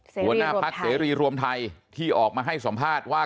หัวหน้าพักเสรีรวมไทยที่ออกมาให้สัมภาษณ์ว่า